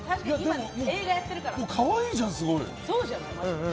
かわいいじゃん、すごい。